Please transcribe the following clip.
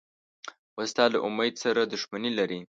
وسله له امید سره دښمني لري